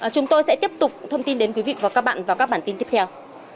chúng tôi sẽ tiếp tục thông tin đến quý vị và các bạn vào các bản tin tiếp theo